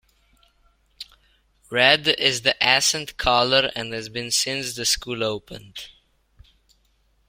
Red is the accent color and has been since the school opened.